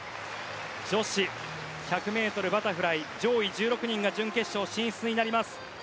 女子１００ｍバタフライ上位１６人が準決勝進出になります。